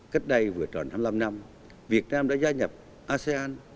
cách đây vừa tròn hai mươi năm năm việt nam đã gia nhập asean